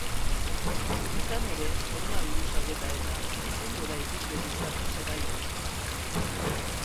Izan ere, koronabirusa dela eta, ezingo da ikuslerik sartu zelaian.